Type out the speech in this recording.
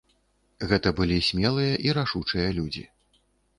Гэта былі смелыя і рашучыя людзі.